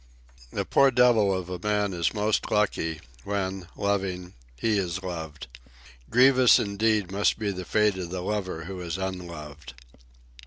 A poor devil of a man is most lucky when, loving, he is loved. Grievous indeed must be the fate of the lover who is unloved.